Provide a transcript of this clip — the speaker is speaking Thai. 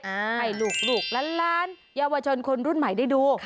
ให้ลูกล้านเยาวชนคนรุ่นใหม่ได้ดู